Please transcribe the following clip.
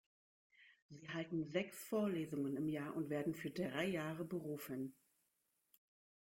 Sie halten sechs Vorlesungen im Jahr und werden für drei Jahre berufen.